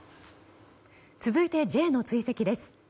続いてＪの追跡です。